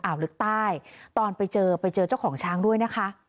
ลึกใต้ตอนไปเจอไปเจอเจ้าของช้างด้วยนะคะ